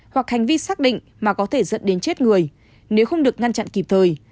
hoặc hành vi xác định mà có thể dẫn đến chết người nếu không được ngăn chặn kịp thời